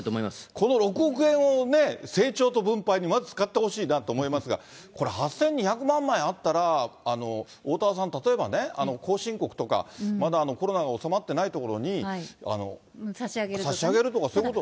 この６億円を成長と分配にまず、使ってほしいなと思いますが、これ、８２００万枚あったら、おおたわさん、例えばね、後進国とか、まだコロナが収まってない所に差し上げるとか、そういうこと。